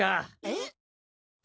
えっ？